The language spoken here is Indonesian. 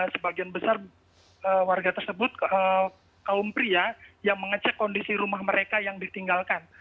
sebagian besar warga tersebut kaum pria yang mengecek kondisi rumah mereka yang ditinggalkan